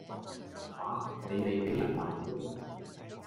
吓!你未畀人問過?